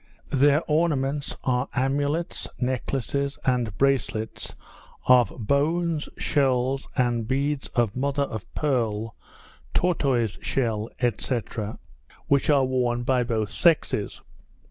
Their ornaments are amulets, necklaces, and bracelets of bones, shells, and beads of mother of pearl, tortoise shell, &c. which are worn by both sexes.